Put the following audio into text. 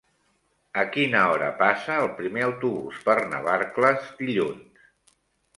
A quina hora passa el primer autobús per Navarcles dilluns?